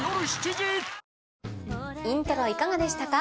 『イントロ』いかがでしたか？